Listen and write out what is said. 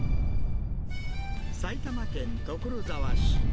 埼玉県所沢市。